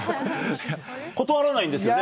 断らないんですよね。